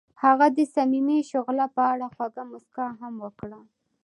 هغې د صمیمي شعله په اړه خوږه موسکا هم وکړه.